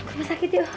ke rumah sakit yuk